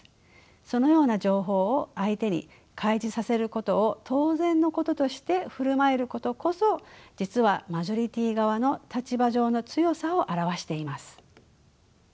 そのような情報を相手に開示させることを当然のこととして振る舞えることこそ実はマジョリティー側の立場上の強さを表しています。